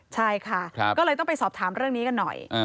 ใช่ค่ะก็เลยต้องไปสอบถามเรื่องนี้กันหน่อย